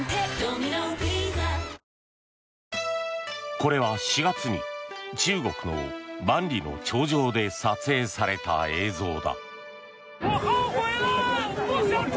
これは４月に中国の万里の長城で撮影された映像だ。